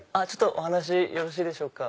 お話よろしいでしょうか？